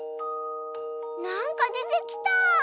なんかでてきた！